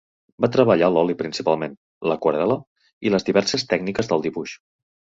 Va treballar l'oli principalment, l'aquarel·la i les diverses tècniques del dibuix.